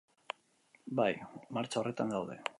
Bai, martxa horretan gaude.